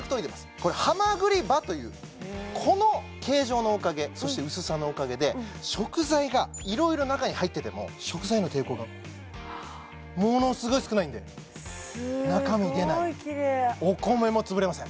これハマグリ刃というこの形状のおかげそして薄さのおかげで食材がいろいろ中に入っていても食材への抵抗がものすごい少ないので中身出ないお米も潰れません